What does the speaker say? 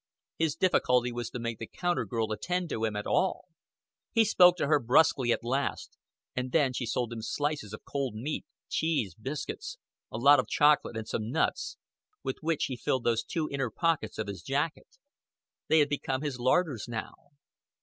His difficulty was to make the counter girl attend to him at all. He spoke to her bruskly at last; and then she sold him slices of cold meat, cheese, biscuits, a lot of chocolate and some nuts, with which he filled those two inner pockets of his jacket. They had become his larders now.